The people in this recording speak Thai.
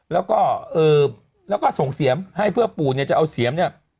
แล้วก็ส่งเสียมให้เพื่อปู่เนี่ยจะเอาเสียมเนี่ย